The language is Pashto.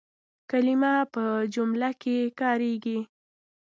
کلیمه په جمله کښي کارېږي.